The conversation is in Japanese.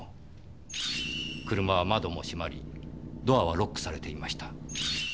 車は窓も閉まりドアはロックされていました。